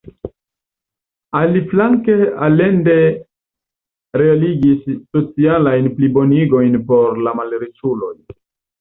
Aliflanke Allende realigis socialajn plibonigojn por la malriĉuloj.